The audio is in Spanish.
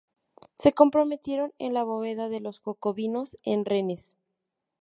Se comprometieron en la bóveda de los jacobinos en Rennes.